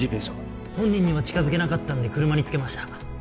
本人には近づけなかったんで車に付けました